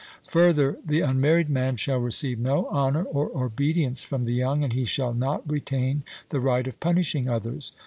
Further, the unmarried man shall receive no honour or obedience from the young, and he shall not retain the right of punishing others.